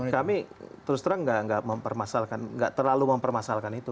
kami terus terang nggak mempermasalkan nggak terlalu mempermasalkan itu